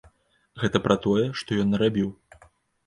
Гэта пра тое, што ён нарабіў.